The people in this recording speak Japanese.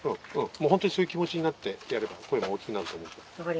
もう本当にそういう気持ちになってやれば声も大きくなると思うから。